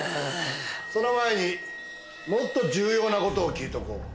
その前にもっと重要なことを聞いとこう。